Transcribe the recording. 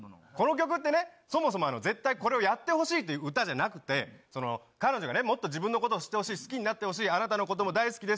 別に関係ないでしょ、そんなこの曲ってね、そもそも絶対これをやってほしいって歌じゃなくて、彼女がね、もっと自分のことを知ってほしい、好きになってほしい、あなたのことも大好きで